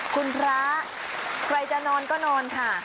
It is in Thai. คุณพระใครจะนอนก็นอนค่ะ